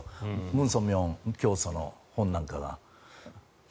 ムン・ソンミョン教祖の本なんかが。